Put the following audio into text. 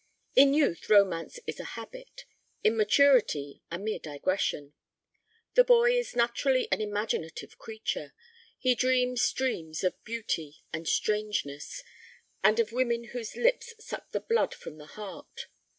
In youth romance is a habit; in maturity, a mere digression. The boy is naturally an imaginative creature; he dreams dreams of beauty and strangeness, and of women whose lips suck the blood from the heart.